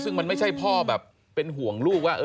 ซึ่งมันไม่ใช่พ่อแบบเป็นห่วงลูกว่า